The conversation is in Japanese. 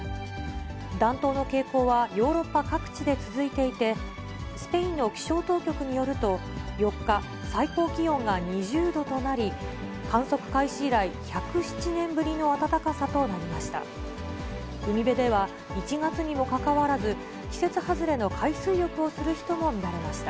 暖冬の傾向はヨーロッパ各地で続いていて、スペインの気象当局によると、４日、最高気温が２０度となり、観測開始以来１０７年ぶりの暖かさとなりました。